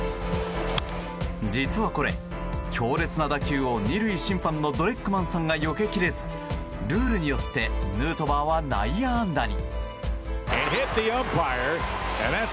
実はこれ、強烈な打球を２塁審判のドレックマンさんがよけきれずルールによってヌートバーは内野安打に。